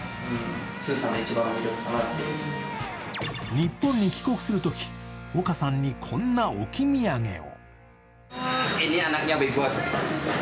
日本に帰国するときオカさんにこんな置き土産を。